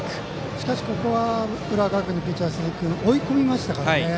しかし、ここは浦和学院のピッチャーの鈴木君は追い込みましたから。